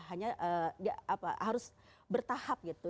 hanya harus bertahap gitu